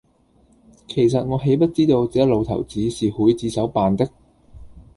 其實我豈不知道這老頭子是劊子手扮的！